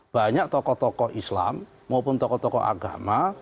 banyak tokoh tokoh islam maupun tokoh tokoh agama